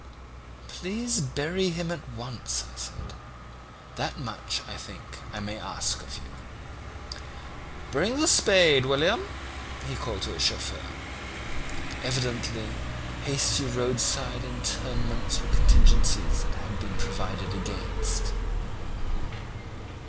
"'Please bury him at once,' I said; 'that much I think I may ask of you.' "'Bring the spade, William,' he called to the chauffeur. Evidently hasty roadside interments were contingencies that had been provided against.